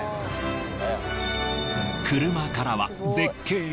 車からは絶景